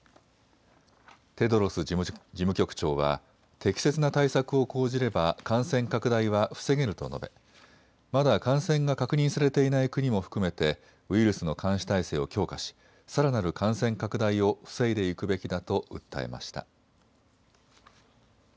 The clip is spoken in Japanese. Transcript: テドロス事務局長は適切な対策を講じれば感染拡大は防げると述べまだ感染が確認されていない国も含めてウイルスの監視態勢を強化し、さらなる感染拡大を防いでいくべきだと訴えました。